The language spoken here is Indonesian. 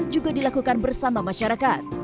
juga dilakukan bersama masyarakat